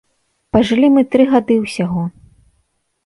Пажылі мы тры гады ўсяго.